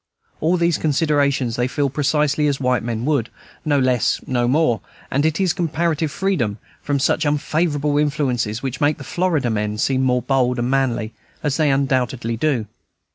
All these considerations they feel precisely as white men would, no less, no more; and it is the comparative freedom from such unfavorable influences which makes the Florida men seem more bold and manly, as they undoubtedly do.